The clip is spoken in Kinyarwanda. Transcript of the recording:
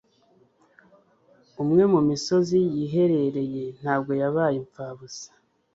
umwe mu misozi yiherereye ntabwo yabaye impfabusa.